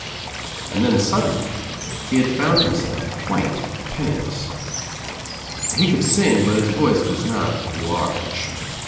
And then suddenly he had found himself quite pen niless. He could sing but his voice was not large.